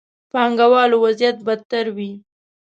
پانګه والو وضعيت بدتر وي.